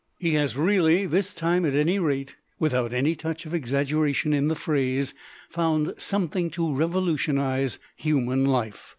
He has really, this time at any rate, without any touch of exaggeration in the phrase, found something to revolutionise human life.